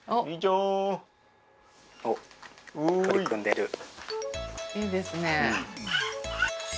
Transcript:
いいですね。